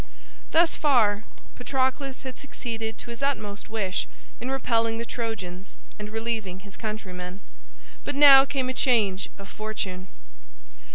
Thus far Patroclus had succeeded to his utmost wish in repelling the Trojans and relieving his countrymen, but now came a change of fortune.